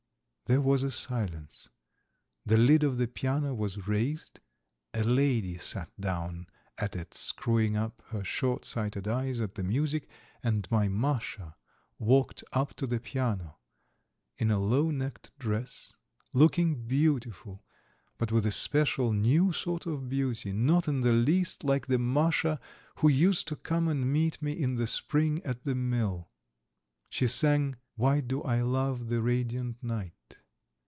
There was a silence. The lid of the piano was raised; a lady sat down at it screwing up her short sighted eyes at the music, and my Masha walked up to the piano, in a low necked dress, looking beautiful, but with a special, new sort of beauty not in the least like the Masha who used to come and meet me in the spring at the mill. She sang: "Why do I love the radiant night?"